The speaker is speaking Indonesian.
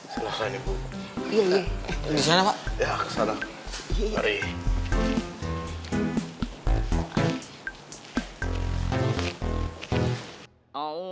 selamat malam ibu